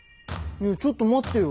ちょっと待ってよ。